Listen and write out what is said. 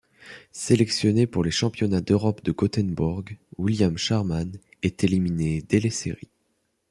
Sélectionné pour les Championnats d'Europe de Göteborg, William Sharman est éliminé dès les séries.